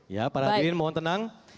ya para bin mohon tenang